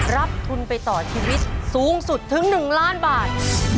รับทุนไปต่อชีวิตสูงสุดถึง๑ล้านบาท